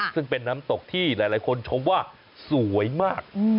ซึ่งเป็นน้ำตกที่หลายคนชมว่าสวยมาก